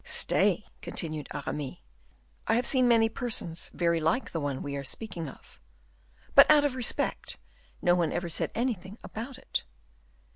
"Stay," continued Aramis. "I have seen many persons very like the one we are speaking of; but, out of respect, no one ever said anything about it."